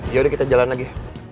yaudah kita jalan lagi